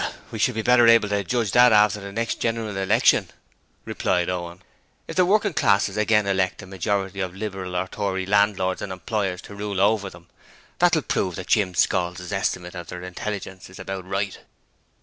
'We shall be better able to judge of that after the next General Election,' replied Owen. 'If the working classes again elect a majority of Liberal or Tory landlords and employers to rule over them, it will prove that Jim Scalds' estimate of their intelligence is about right.'